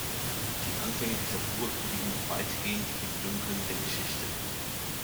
Die Anfänge dieser Burg liegen noch weitgehend im Dunkeln der Geschichte.